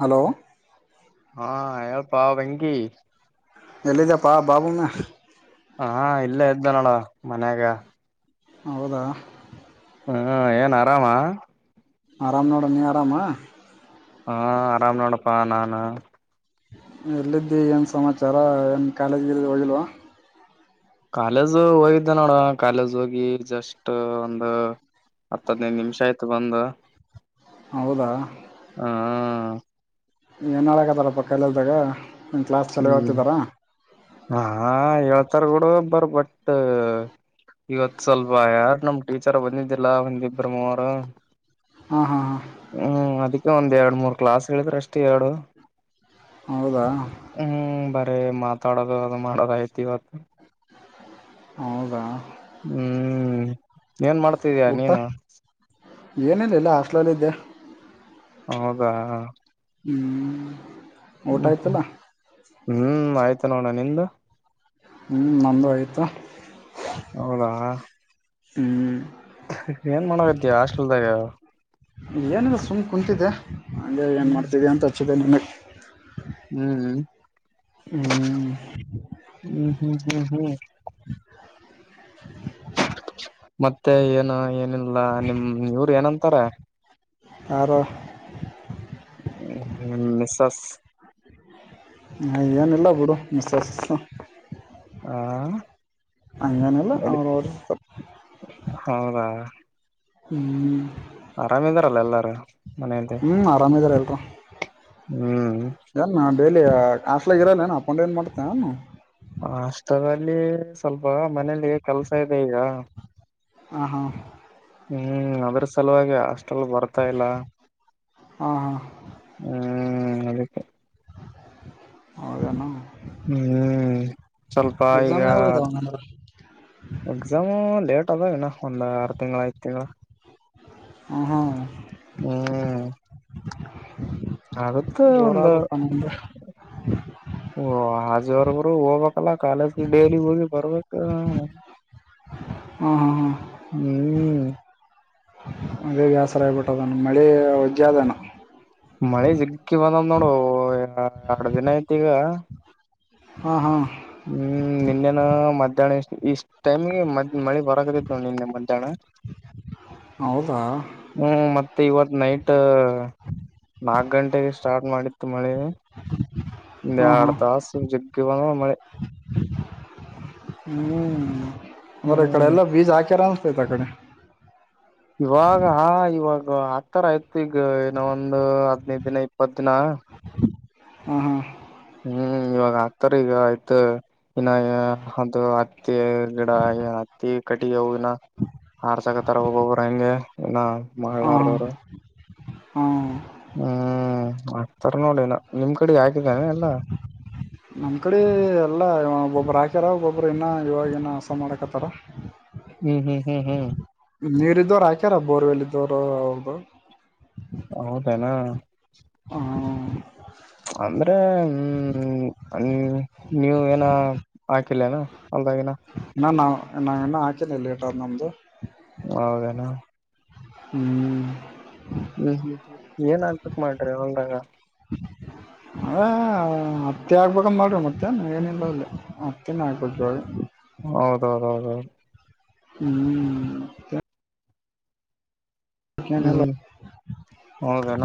Hello ಹಾ ಹಳ್ಪಾ ವೆಂಗಿ. ಎಲ್ಲಿದಪ್ಪಾ ಬಾಬೂಣ? ಹ ಇಲ್ಲೇ ಇದ್ದ್ನಳಣ್ಣ ಮನ್ಯಾಗ. ಹೌದಾ? ಹ್ಮ ಏನ್ ಆರಾಮಾ? ಆರಾಮ್ ನೋಡು ನೀ ಆರಾಮಾ? ಹ ಆರಾಮ್ ನೋಡಪ್ಪ ನಾನಾ. ಎಲ್ಲಿದ್ದಿ ಏನ್ ಸಮಾಚಾರ ಏನ್ ಕಾಲೇಜ್ಗ್ ಗೀಲೇಜ್ ಹೋಗಿಲ್ವಾ? ಕಾಲೇಜು ಹೋಗಿದ್ದೆ ನೋಡುವ ಕಾಲೇಜ್ ಹೋಗಿ ಜಸ್ಟ್ ಒಂದು ಹತ್ತು ಹದ್ನೈದು ನಿಮಿಷ ಆಯ್ತು ಬಂದು. ಹೌದಾ ಹಾ ಏನು ಹೇಳಕತ್ತಾರಪ್ಪ ಕಾಲೇಜ್ದಾಗ ನಿಂಗೆ ಕ್ಲಾಸ್ ಚಲೊ ಹ್ಮ್ ಹೇಳ್ತಿದ್ದಾರಾ ಹಾ ಹೇಳ್ತಾರ್ ಬುಡು ಬರ್ ಬಟ್ಟೂ ಇವತ್ ಸ್ವಲ್ಪ ಯಾರು ನಮ್ ಟೀಚರ್ ಬಂದಿದ್ದಿಲ್ಲ ಒಂದಿಬ್ಬ್ರ ಮೂವರು. ಹಾಂ ಹಾ ಹಾಂ ಹ್ಮ್ ಅದಕ್ಕೆ ಒಂದ್ ಎರಡ್ ಮೂರ್ ಕ್ಲಾಸ್ ಹೇಳಿದ್ರೆ ಅಷ್ಟ್ ಎರಡು ಹೌದಾ ಹ್ಮ್ ಬರೇ ಮಾತಾಡೋದು ಅದು ಮಾಡೋದಯ್ತಿ ಇವತ್ತು ಹೌದಾ ಹ್ಮ್ ಏನ್ ಮಾಡ್ತ ಊಟ ಏನಿಲ್ಲ ಇಲ್ಲ ಹಸ್ಲಲ್ಲ ಇದ್ದೆ ಹೌದಾ ಹ್ಮ್ ಹ್ಮ್ ಹ್ಮ್ ಆಯ್ತು ನೋಣ ನಿದ ಹ್ಞೂ ನಂದು ಆಯಿತು ಹೌದಾ ಹ್ಮ್ ಏನ್ ಮಾಡಕತ್ತಿ ಹಾಸ್ಟೆಲ್ ತಗ ಏನಿಲ್ಲ ಸುಮ್ಮ್ ಕುಂತಿದೆೆ ಹೆ ಏನ್ ಹ್ಮ್ ಮಾಡ್ತಿದೆ ಅಂತ ಹಚ್ಚಿದೆ ನನಗೆ ಹ್ಮ್ ಹ್ಮ್ ಹ್ಮ್ ಹ್ಮ್ ಹ್ಮ್ ಹ್ಮ್ ಮತ್ತೆ ಏನು ಏನಿಲ್ಲ ನಿಮ್ ಇವರು ಏನಂತಾರ ಆರ ಮಿಸಸ್ ಏನಿಲ್ಲ ಬರು ಮಿಸಸ ಸಿಸಸು ಹಾ ಅಗೆನಲ್ಲ ಅವರೋರು ಹೌದಾ ಹ್ಮ ಆರಾಮ್ ಇದಾರಲ್ಲ ಎಲ್ಲರೂ ಮನೆಯಲ್ಲಿ ಹ್ಞೂ ಆರಾಮ ಇದಾರ ಹೇಲ್ರು ಹ್ಮ್ ಅಲ್ಲ ಡೈಲಿ ಹಾಸ್ಟೆಲ್ ದಾಗ್ ಇರಲೇನು ಅಪ್ ಅಂಡ್ ಡೌನ್ ಮಾಡ್ತೀಯಾ ನು ಅಷ್ಟದಲ್ಲಿ ಸ್ವಲ್ಪ ಮನೇಲಿ ಕೆಲ್ಸ ಇದೆ ಈಗ ಆಾ ಹಾ ಹ್ಮ್ ಅದ್ರ ಸಲುವಾಗಿ ಹಾಸ್ಟೆಲ್ ಬರ್ತಾ ಇಲ್ಲ ಹಾಂ ಹಾಂ ಹ್ಮ್ ಅದಕ್ಕೆ ಹೌದೇನು ಹ್ಮ್ ಸ್ವಲ್ಪ ಈಗ ಎಕ್ಸಾಮ್ ಯಾವಾಗ ಇದಾವೆ ಹಂಗಂದ್ರೆ ಎಕ್ಸಾಮು ಲೇಟ್ ಅದಹಿನ ಒಂದ್ ಆರು ತಿಂಗಳ ಐದು ತಿಂಗಳು ಹ ಹಾ ಹ್ಮ್ ಅದತ ಒಂದು ಜೋರಾದಪ್ಪ ನಿಮ್ದು ಓ ಹಜೋರಬರು ಹೋಗಬಕ್ ಅಲ್ಲಾ ಕಾಲೇಜ್ ಡೈಲಿ ಹೋಗಿ ಬರ್ಬೇಕ ಹಾ ಹಾ ಹಾ ಹ್ಮ್ ಅದೇ ಬ್ಯಾಸರ ಆಗ್ಬಿಟ್ಟುದನ್ನು ಮಳೆ ಒಜ್ಜದನ ಮಳೆ ಸಿಗ್ಕ್ಕಿ ಬಂದಂದ್ ನೋಡು ಎರ್ಡು ದಿನ ಐತಿ ಈಗ ಹಾಂ ಹಾಂ ಹ್ಮ್ ನಿನ್ನೆನ ಮಧ್ಯಾಹ್ನ ಇಷ್ಟ್ ಟೈಮ್ಗೆ ಮ್ ಮಳೆ ಹೊರಗತಿ ತೋಂದಿಲ್ಲಮ್ಮ ಎಂತಾನ ಹೌದಾ ಹ್ಮ್ ಮತ್ತೆ ಇವತ್ ನೈಟ್ ನಾಕ್ ಗಂಟೆಗೆ ಸ್ಟಾರ್ಟ್ ಮಾಡಿತ್ತು ಮಳೆ ಹಾಂ ಆಡ್ ತಾಸ ಜಗ್ಗ ಬ ಮೆ ಹ್ಮ್ ಮ್ರೆ ಈ ಕಡೆ ಹ್ಮ್ ಎಲ್ಲ ಬೀಜ ಹಾಕ್ಯಾರ ಅನ್ಸ್ತತ್ ಅ ಕಡೆ ಇವಾಗ ಹ ಇವಾಗ ಆತರ ಆಯ್ತು ಈಗ ಏನೋ ಒಂದು ಹದ್ನೈದ ದಿನ ಇಪ್ಪತ್ ದಿನ ಹಾ ಹಾ ಹ್ಮ್ ಇವಾಗ ಆಕ್ತಾರ ಈಗ ಆಯ್ತ ಇನ್ನು ಅದು ಹತ್ತಿ ಗಿಡ ಹತ್ತಿ ಕಟ್ಟಿಗೆ ಹ ಇ ಹಾರ್ಸಕ ತರ ಹೋಗೋಗ್ರ ಹಂಗೆ ಇ ಹಾ ಹ್ಮ ಹ್ಮ್ ಆತಾರ ನೋಡಿನ ನಿಮ್ ಕಡೆ ಹಾಕಿದ್ದನೆ ಎಲ್ಲಾ ನಮ್ ಕಡೆ ಎಲ್ಲಾ ಒೊಬ್ಬರು ಹಾಕ್ಯಾರ ಒಬ್ಬೊಬ್ಬರು ಇನ್ನ ಇವಾಗ ನ ಹಸ ಮಾಡಕತ್ತಾರ ಹ್ಮ್ ಹ್ಮ್ ಹ್ಮ್ ಹ್ಮ್ ನೀರಿದ್ದವರು ಹಾಕ್ಯಾರ ಬೋರ್ವೆಲ್ ಇದವರು ಅವ್ರ್ದ ಹೌದನಾ ಹ್ಮ ಅಂದ್ರೆ ಹ್ಮ ನೀವ ಏನ ಹಾಕಿಲ್ಲೇನು ಅಲ್ದಾಗಿನ ಇ ನಾ್ ನಾವ ಇನ್ನು ಹಾಕಿಲ್ಲ ಟ ನಮ್ದು ಹೌದನಾ ಹ್ಮ್ ಹ್ಮ್ ಹ್ಮ್ ಏನ್ ಆನ್ತಕ್ ಮಾಡ್ರಿ ಹಂಗಾಗ ಅದೇ ಹತ್ತೆ ಆಗ್ಬೇಕಂದ ಮಾಡ್ರಿ ಮತ್ತೆ ಹ್ಮ್ ಏನಿಲ್ಲ ಅಲ್ಲಿ ತ ನ ಆಕ ಜಲ್ ಹೌದೌದ ಹೌದೌದು ಹ್ಮ್ ಏನಿಲ್ಲ ಹ್ಮ್ ಹೋಗಣ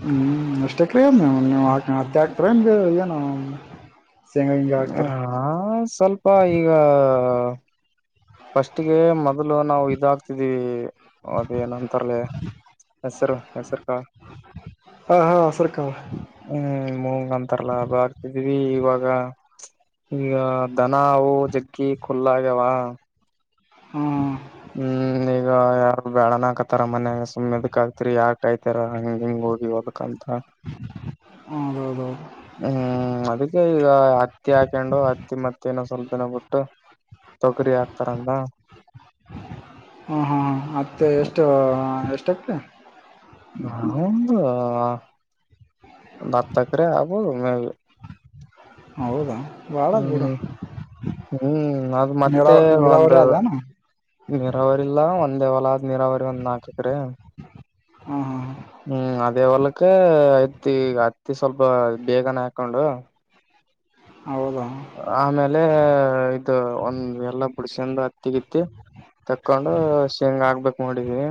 ಹ್ಮ್ ಇಷ್ಟಕ್ದ್ ಮೇಾಮ್ ನೀ್ ಹಾ ಹತ್ತ ಹಾಕ್ತಮ ಏನ ಸೇಂಗ ಹಿಂಗೆ ಆಗ್ತಾರೆ ಹಾ ಸ್ವಲ್ಪ ಈಗ ಫಸ್ಟ್ಗೆ ಮೊದ್ಲು ನಾವು ಇದಾಕ್ತಿದೀವಿ ಅದೇಏನಂತಾರಲೇ ಹೆಸರು ಹೆಸರು ಕಾ ಹಾಂ ಹಾಂ ಸರ್ಕಾರ ಹ್ಮ್ ಮೂಂಗ ಅಂತಾರಲ್ಲಾ ಬ ಆಗ್ತಿದೀವಿ ಇವಾಗ ಈಗ ದನ ಅವು ಜಗ್ಗಿ ಖುಲ್ಲಗ್ಯಾವ ಹ್ಮ ಹ್ಮ್ ಈಗ ಯಾರು ಬ್ಯಾಳನಕತ್ತಾರ ಮನೆ ಸುಮ್ಮ್ನೆದಕ್ ಆತಿರಿ ಯಾಕ ಆಯ್ತರ ಹಂಗ ಹಿಂಗ್ ಹೋಗಿ ದಕ್ಂತ ಹದೌದೌ ಹ್ಮ್ ಅದಕ್ಕೆ ಈಗ ಹತ್ತಿ ಹಾಕಂಡು ಹತ್ತಿ ಮತ್ತ ನೋ ಸ್ವಲ್ಪ ದಿನ ಬಿಟ್ಟು ತೊಗರಿ ಹಾಕ್ತಾರಂದ ಹ ಹಾ ಮತ್ತೆ ಎಷ್ಟ ಎಷ್ಟ ಆಗ್ತ ಹ ದತಕ ಹಬ ಹೌದಾ ಭಾಳ ಬಿಡು ಹ್ಮ್ ಹ್ಮ್ ಅದು ಮತ್ತೆ ನೀರಾವ ಒಂದು ನೀರಾವರಿ ಅದಾನ ನೀರಾವರಿ ಇಲ್ಲ ಒಂದೇವಲ ಆದ್ ನೀರಾವರಿ ಒಂದ್ ನಾಕತ್ರಿ ಹ್ಮ ಹಾ ಹಾ ಹ್ಮ್ ಅದೇ ಹೊಲಕ್ಕ ಐತಿ ಈ ಅತ್ತಿ ಸ್ವಲ್ಪ ಬೇಗನೆ ಹಾಕೊಂಡು ಹೌದಾ ಆಮೇಲೆ ಇದು ಒಂದ್ ಎಲ್ಲ ಹುಡ್ಸಂದು ಹತ್ತಿಗಿತ್ತಿ ತಕೊಂಡು ಶೇಂಗ್ ಆಕ್ಬಿಕ ಮಾಡಿದೀವಿ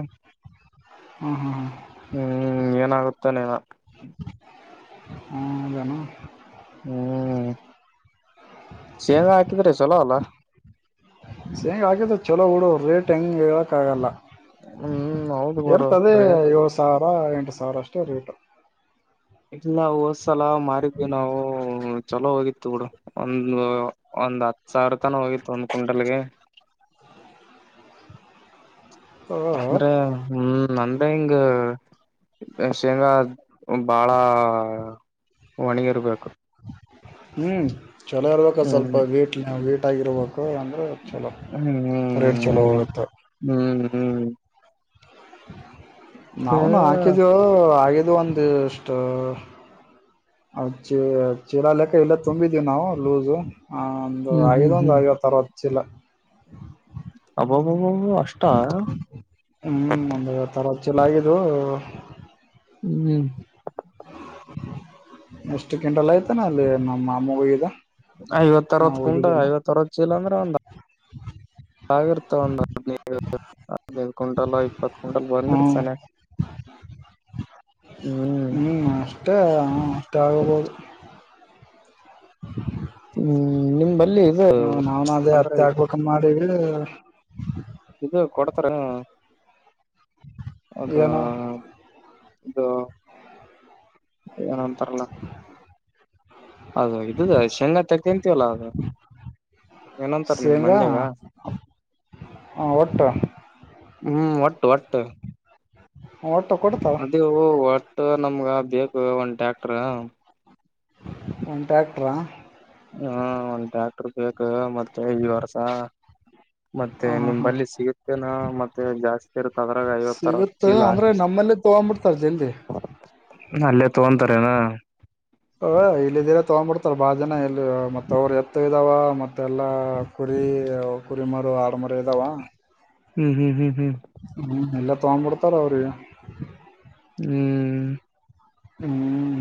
ಹ್ಮಞ ಹ್ಮ ಹ ಹ್ಮ್ ಏನಾಗುತ್ತೆನಿನ ಹ್ಮ ಜೋ ಹ್ಮ್ ಸೆಂಗ ಹಾಕಿದ್ರೆ ಚಲೋ ಅಲ್ಲ ಸೇಂಗೆ ಆಕಿದ ಚೊಲೋ ಬಿಡೋ ರೇಟ್ ಹೆಂಗೆ ಹೇಳೋಕ್ಕಾಗಲ್ಲ ಹ್ಮ್ ಹೌದು ಗುರು ಇರ್ತದೆ ರೇಟ್ ಏಳ್ ಸಾವಿರ ಎಂಟು ಸಾವಿರ ಅಷ್ಟೇ ರೆಟ ಇಲ್ಲ ಹೋದ್ಸಲ ಮಾರಿದ್ವಿ ನಾವು ಚಲೋ ಹೋಗಿತ್ತು ಬುಡು ಒಂದು ಒಂದ್ ಹತ್ತು ಸಾವಿರ ತನ ಹೋಗಿತ್ತು ಒಂದ್ ಕುಂಟಲ್ಗೆ ಅಂದ್ರೆ ಹ್ಮ ನಂದ್ರೆ ಹಿಂಗ ಶೇಂಗಾ ಬಾಳ ಒಣಗಿರ್ಬೇಕು ಹ್ಞೂ ಚಲೋ ಇರ್ಬೇಕ ಅ ಸ್ವಲ್ಪ ಹ್ಮ್ ವೀಟ್ವು ವೀಟ್ಟಾಗಿರ್ಬೇಕು ಅಂದರೆ ಚಲೋ ಹ್ಮ್್ಮ ರೇಟ್ ಚಲೋ ಹ್ಮ್ ಹೋಗುತ್ತೆ ಹ್ಮ ಏ ನಾವುನು ಹಾಕಿದವು ಆಗಿದ್ದು ಒಂದುಷ್ಟ ಚ ಚಿಲಾ ಲೆಕ್ಕ ಎಲ್ಲ ತುಂಬಿದೀವಿ ನಾವು ಲೂಸು ಒಂದು ಹ್ಮ್ ಹಾಗೆದ ಹ್ಮ್ ಒಂದು ಹ್ಮ್ ಐವತ ಅರವತ್ತು ಚಿಲ ಅಬ್ಬಬ್ಬಬ್ಬಬ ಅಷ್ಟ ಹ್ಮ್ ಒಂದ ಐವತ್ತು ಅರವತ್ತು ಚಿಲಹಾಗಿದುಉ ಹ್ಮ್ ಎಷ್ಟಕ್ಕಿಂಟಲಾಗಿತ್ತು ನಮ್ ಮಾಮವಾಗಿದ್ದು ಐವತ್ ಅರವತ್ ಕುಂಟಾ ಐವತ್ ಅರವತ್ ಚೀಲ ಅಂದ್ರೆ ಒಂದ ಆಗಿರುತ್ತದೆ ಒಂದು ಅದಿನೈದ ಒಂದು ಇಪತ ಕುಂಟಲ ಕುಂಟಲ್ ಬಂದಿರತ ಹ್ಞೂ ಸನೆ ಹ್ಮ್ ನಷ್ಟ ಹ ನಷ್ಟ ಆಗಬದು [inaudible] ಹ್ಮ್ ನಿಮಲ್ಲಿ ಇದು ಅಂದ್ರ ಮಾಡಿದ ಇದು ಕೊಡ್ತಾರೆ ಅದು ಏನೋ ಇದು ಏನಂತಾರಲ್ಲ ಅೌದು ಇದುದು ಶೇಂಗ ತಗಂತೀವಲ್ಲ ಅದು ಏನಂತಾರೆ ನಿಮ್ ಮಂದಾಗ ಹ ಒಟ್ಟಟ್ಟಾ ಹ್ಮ್ ಒಟ್ಟು ಒಟ್ಟು ಒಟ್ಟು ಕೊಡ್ತ ಅದವು ಒಟ್ಟು ನಮ್ಗ ಬೇಕು ಒಂದ ಟ್ಯಾಕ್ಟ್ರ ಕಾಂಟ್ಯಾಕ್ಟ್ರಾ ಹಾ ಒಂದ್ ಡಾಕ್ಟರ್ ಬೇಕು ಮತ್ತೆ ಈ ವರ್ಷ ಮತ್ತೆ ಹಾಂ ಹಾಂ ಹಾಂ ನಿಂಬಲ್ಲಿ ಸಿಗುತ್ತೇನಾ ಮತ್ತೆ ಜಾಸ್ತಿ ಇರುತ್ತ ಅದ್ರಾಗ ಐವತ್ ತರ ಚೀಲ ನಮ್ಮಲ್ಲೇ ತಗೊಂಡ್ಂಬಿಡ್ತಾರ ಜಲ್ದಿ ಅಲ್ಲೇ ತೊಗೊಂತಾರೆೇನಾ ಇಲ್ಲ ಇದರ ತಗೊಂಡ್ಬಿಡ್ತಾರ ಬಾಳ ಜನ ಇಲ್ಲಿ ಮತ್ತ ಅವರು ಎತ್ತ ಇದಾವ ಮತ್ತೆ ಎಲ್ಲ ಕುರಿ ಕುರಿಮಾರು ಆಡುಮಾರ ಇದ್ದಾವ ಹ್ಮ್ ಹ್ಮ್ ಹ್ಮ್ ಹ್ಮ್ ಎಲ್ಲ ತೊಗೊಂಡ್ ಬರ್ತಾರೆ ಅವರಿಗೆ ಹ್ಮ್ ಹ್ಮ್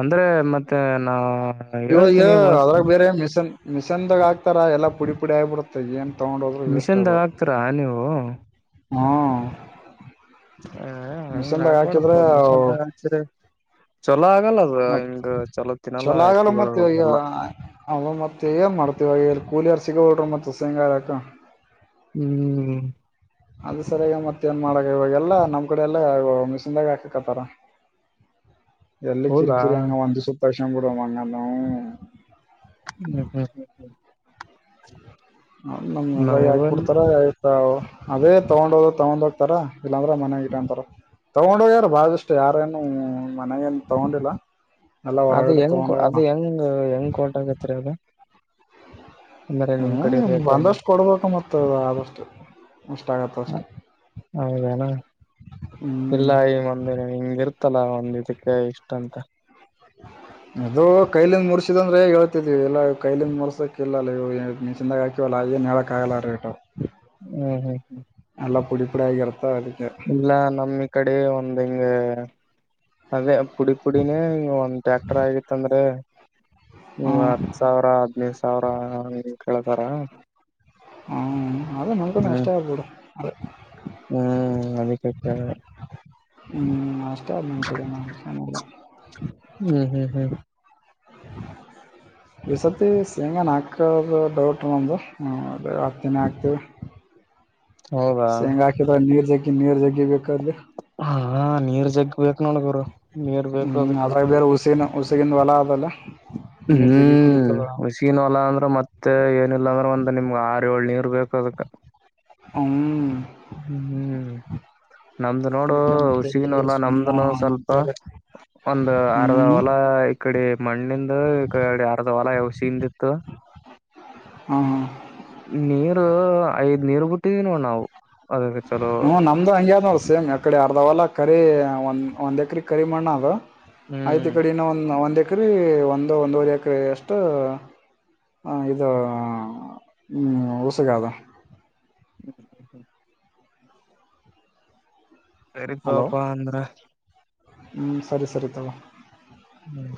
ಅಂದ್ರೆ ಮತ್ತೆ ನಾ ಇವಾಗ ಹೇಳ್ತೀನಿ ಮಸ್ತ್ ಅದ್ರಾಗ ಬೇರೆ ಮಿಿಸನ್ ಮಿಶನ್ದಾಗ ಆಕ್ತಾರ ಎಲ್ಲಾ ಪುಡಿ ಪುಡಿ ಆಗ್ಬಿಡತ ಮತ್ತ ಏನ್ ತಗೊಂಡೋದ್ರೆ ಬೆಸ್ ಅದ ಮಿಷನ್ದಾಗ ಹಾಕ್ತೀರಾ ನೀವು ಹ್ಮ ಹ ಹಂಗ ಮಿಷನ್ ದಗ್ ಹಾಕಿದ್ರೆ ಆಗ್ಬಾರ್ದಪ್ಪ ಮಿಷನ್ದಾಗ ಚಲೋ ಆಗಲ್ಲ ಅದು ಮತ್ ಹಿಂಗ ಚಲೋ ತಿನ್ನಲ್ಲ ಎತ್ತುಗಳು ಎಲ್ಲ ಹಾ ಅವ ಮತ್ತೆ ಈಗ ಮಾಡ್ತೀವ ಕೂಲಿಯ ಅರ್ ಸಿಗ ಹೋಡ್ರಿ ಮತ್ತೆ ಸಾಯಂಕಾಲಕ ಹ್ಮ್ ಅದ ಸರಿಯಗ ಮತ್ತತ್ ಏನ್ ಮಾಡಾಕ್ ಇವಾಗ ಎಲ್ಲಾ ನಮ್ ಕಡೆ ಎಲ್ಲ ಮಶದಾಗ ಹಾಕಕ್ತ್ತಾರ ಎಲ್ಲಕ್ಕೆ ಹೌದಾ ಇಕ್ರಿ ಅಂಗ ಒಂದು ಸುುತ್ತಾರಷ ಕಡ ಅಂಗಲ್ಲ ಹ್ಮ್ ಹ್ಮ್ ಹ್ಮ ಹ್ಮ ನಮ್ಮ ಮುಂದೇನೆ ನಮ್ಮಲ್ಲಿ ಹಾಕಿಬಿಡುತ್ತಾರೆ ಅದೇ ತಗೊಂಡೋದ ತಗೊಂಡ್ ಹೋಗ್ತಾರ ಇಲ್ಲಾಂದ್ರ ಮನ್ಯಾಗ ಇಟ್ಟಂತಾರ ತಗೊಂಡೋಗ್ಯಾರು ಬಳಷ್ಟು ಯಾರೇನು ಮನೆಗೇನ್ ತಗೊಂಡಿಲ್ಲ ಎಲ್ಲ ಅದ ಹೊರಗಡೆ ಹೆಂಗ್ ತಗೊಂಡ ಅದು ಹೆಂಗ್ ಹೆಂಗ್ ಹೊಂಟಗತ್ರಿ ಅದ ಕಡೆ ಹ ರೇಟ್ ಹೆಂಗ ಬಂದಷ್ಟು ಕೊಡ್ಬೇಕ ಮತ್ತ ಆದಷ್ಟು ಇಷ್ಟ ಆಗತ್ತ ಅಷ್ಟೆ ಹೌದೇನ ಹ್ಮ್ ಇಲ್ಲ ಈ ಮಂದಿ ಹಿಂಗ ಇರ್ತಲ್ಲ ಒಂದ್ ಇದಕ್ಕೆ ಇಷ್ಟ ಅಂತ ಹ ಅದು ಕೈಲಿಂದ ಮುರ್ಸಿದ ಅಂದ್ರೆ ಹೇ ಹೇಳ್ತಿದ್ವಿ ಎಲ್ಲಾ ಕೈಲಿಂದ ಮುರ್ಸಕ ಇಲ್ಲ ಅ ನೀ ಚಂದಾಗಾಕಿ ಕಲಾಗಿ ನಳ ಕಾಗಲ ರೇಟು ಹ್ಮ್ ಹ್ಮ್ ಹ್ಮ್ ನಲ್ಲಾ ಪುಡಿ ಪುಡಿ ಆಗರದ ಅದಕ್ಕೆ ಇಲ್ಲ ನಮ್ ಕಡೆ ಒಂದು ಇಂಗೆ ಅದೇ ಪುಡಿ ಪುಡಿನೇ ಒಂದ್ ಟ್ಯಾಕ್ಟರ್ ಆಗಿತ್ತಂದ್ರೆ ಹಾ ಹ್ಮ ಹತ್ ಸಾವಿರ ಹದ್ನೈದು ಸಾವಿರ ಕೇಳ್ತಾರ ಹಾ ಅದೇ ನನ್ಕೊಂಡು ಹ್ಮ್ ಅಷ್ಟ ಆಗ್ಬಿಡು ಅದೇ ಹ್ಮ್ ಅದಕ್ಕೆ ಹೇಳಿದೆ ಹ್ಮ ಅಷ್ಟ ನ ಕಡ ಹ್ಮ್ ಹ್ಮ್ ಹ್ಮ್ ಈ ಸರ್ತಿ ಸೇಂಗ ಹಾಕೋದು ಡೌಟ್ ನಂದು ಅ ಹಾಗ್ತೀನಿ ಹಾಕ್ತೀವಿ ಹೌದಾ ಶೇಂಗ ಹಾಕಿದ ನೀರ್ ಜಗ್ಗಿ ನೀರ್ ಜಗ್ಗಿಬೇಕೇಕಾದ್ರಿ ಹಾ ನೀರ್ ಜಗ್ ಬ ನೋಡಗರು ಹ್ಮ್ ಅದ್ರಾಗ ಬೇರೆ ಉಸಿನ ಉಸಗಿದ ಹೊಲ ಆದದಲ್ಲ ಹ್ಮ್ ಒಷ ಅಲ ಅಂದ್ರೆ ಮತ್ತೆ ಏನಿಲ್ಲಾ ಅಂದ್ರೆ ಒಂದ್ ನಿಮ್ಗ್ ಆರ ಏಳ್ ನೀರ್ ಬೇಕಕ್ ಅದಕ್ ಹ್ಮ್ ಹ್ಮ್ ಹ್ಮ್ ನಮ್ದು ನೋಡು ಅದಕ್ಕೆ ಮತ್ತೆ ಇಲ್ಲಿ ಹುಸಿನೂ ಅಲ್ಲಾ ಸುಮ್ಮ ನಮ್ದನು ಸ್ವಲ್ಪ ಅಂತೇಳಿ ಒಂದು ಅರ್ಧ ಹ್ಮ್ ಹೊಲ ಈ ಕಡೆ ಮಣ್ಣಿಂದ ಈ ಅರ್ಧ ಹೊಲ ಯಸಿಯಿಂದಿತ್ತು ಹ್ಮ ಹ್ಹಾ. ನೀರು ಐದ್ ನೀರು ಬಿಟ್ಟಿದೀವಿ ನೋಡು ನಾವು ಅದಕ್ಕೆ ಚಲೋ. ಹ್ಮ್ ನಮ್ದು ಹಂಗ ಅದ ನೋಡ್ ಸೇಮ್ ಅಕಡೆ ಅರ್ಧವಲ್ಲ ಕರಿ ಒಂದ ಒಂದ್ ಎಕ್ರ ಕರಿ ಮಣ್ಣಾದ. ಹ್ಮ್ ಆಯ್ತು ಈ ಕಡೆ ಇನ್ನು ಒಂದು ಒಂದು ಎಕ್ರ ಒಂದು ಒಂದುವರೆ ಎಕ್ರ ಅಷ್ಟು ಹ ಇದು ಹ್ಮ ಉಸಗ ಆದ. ಸರಿ ಹಲೋ ತಗೋಪಾ ಅಂದ್ರ. ಹ್ಮ್ ಸರಿ ಸರಿ ತಗೋ. ಹ್ಮ್